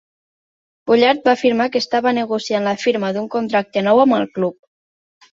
Bullard va afirmar que estava negociant la firma d'un contracte nou amb el club.